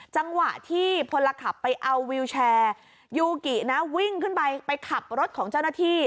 จังหวะที่พลขับไปเอาวิวแชร์ยูกินะวิ่งขึ้นไปไปขับรถของเจ้าหน้าที่